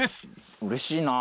うれしいな。